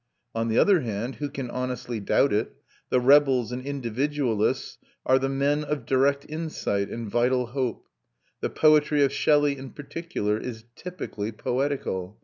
On the other hand who can honestly doubt it? the rebels and individualists are the men of direct insight and vital hope. The poetry of Shelley in particular is typically poetical.